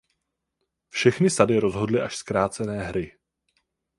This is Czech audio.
Všechny sady rozhodly až zkrácené hry.